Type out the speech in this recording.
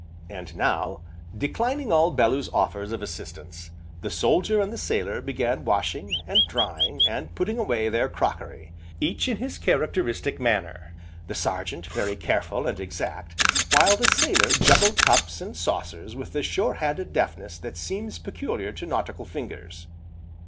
And now, declining all Bellew's offers of assistance, the soldier and the sailor began washing, and drying, and putting away their crockery, each in his characteristic manner, the Sergeant very careful and exact, while the sailor juggled cups and saucers with the sure handed deftness that seems peculiar to nautical fingers.